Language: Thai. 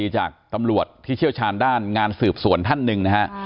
จากตำรวจที่เชี่ยวชาญด้านงานสืบสวนท่านหนึ่งนะฮะ